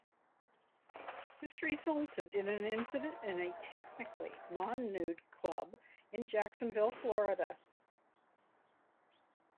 This resulted in an incident in a technically non-nude club in Jacksonville, Florida.